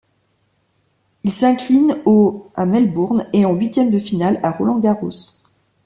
Il s'incline au à Melbourne et en huitième de finale à Roland-Garros.